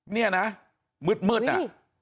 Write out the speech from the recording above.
เนี่ยนะมืดอ่ะ